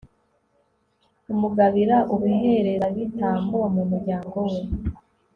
amugabira ubuherezabitambo mu muryango we